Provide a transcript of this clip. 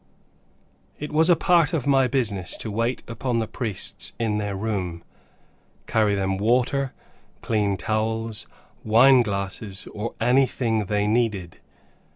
It was a part of my business to wait upon the priests in their rooms, carry them water, clean towels, wine glasses, or anything they needed.